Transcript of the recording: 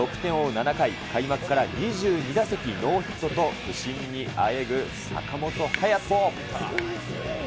７回、開幕から２２打席ノーヒットと、不振にあえぐ坂本勇人。